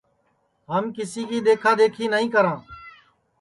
ہم کِسی کی دؔیکھا دؔیکھی نائی کراں